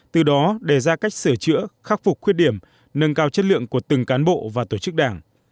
từ đó đề ra cách sửa chữa khắc phục khuyết điểm nâng cao chất lượng của từng cán bộ và tổ chức đảng